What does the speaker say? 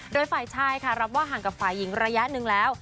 โดยฝ่ายชายค่ะรับว่าห่างกับฝ่ายหญิงระยะหนึ่งแล้ว